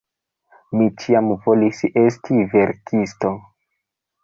Mi ĉiam volis esti verkisto.